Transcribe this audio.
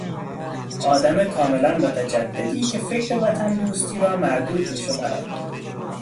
آدم کاملا متجددی که فکر وطن دوستی را مردود می شمارد.